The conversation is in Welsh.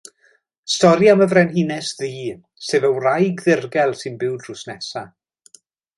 Stori am y Frenhines Ddu, sef y wraig ddirgel sy'n byw drws nesa.